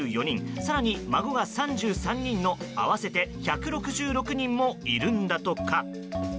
更に、孫が３３人の合わせて１６６人もいるんだとか。